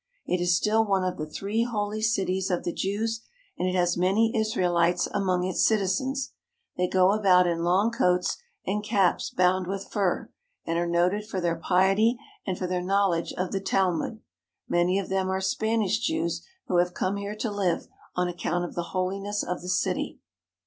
It is still one of the three holy cities of the Jews and it has many Israelites among its citizens. They go about in long coats and caps bound with fur, and are noted for their piety and for their knowledge of the Talmud. Many of them are Spanish Jews who have come here to live on account of the holiness of the city.